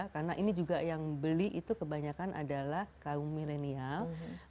karena ini juga yang beli itu kebanyakan adalah kaum milenial